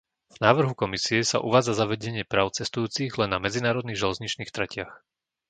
V návrhu Komisie sa uvádza zavedenie práv cestujúcich len na medzinárodných železničných tratiach.